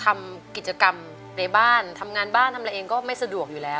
ทำกิจกรรมในบ้านทำงานบ้านทำอะไรเองก็ไม่สะดวกอยู่แล้ว